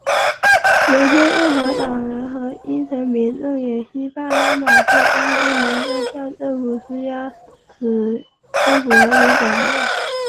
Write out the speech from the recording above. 原先共和党人和底层民众也期盼拉马克将军能够向政府施压迫使政府和平转变。